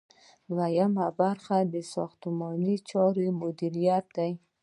دوهم برخه د ساختماني چارو مدیریت دی.